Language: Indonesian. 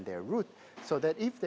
jadi jika ada masalah